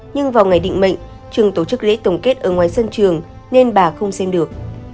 nhưng vào ngày định mệnh trường tổ chức lễ tổng kết ở ngoài sân trường nên bà không xem được